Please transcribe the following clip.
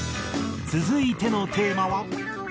続いてのテーマは。